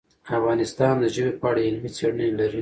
افغانستان د ژبې په اړه علمي څېړنې لري.